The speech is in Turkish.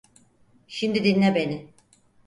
Şimdi dinle beni.